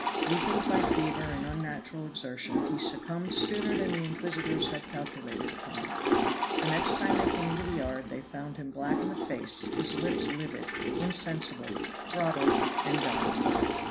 Weakened by fever and unnatural exertion, he succumbed sooner than the inquisitors had calculated upon. The next time they came into the yard they found him black in the face, his lips livid, insensible, throttled, and dying.